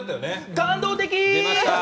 感動的！